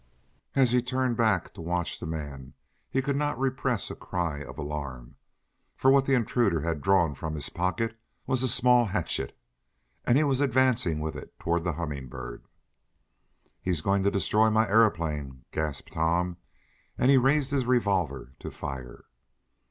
As he turned back to watch the man he could not repress a cry of alarm, for what the intruder had drawn from his pocket was a small hatchet, and he was advancing with it toward the Humming Bird! "He's going to destroy my aeroplane!" gasped Tom, and he raised his revolver to fire.